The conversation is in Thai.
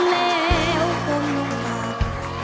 แล้วพ่อม้องหลับ